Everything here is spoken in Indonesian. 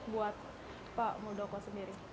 buat pak mudoko sendiri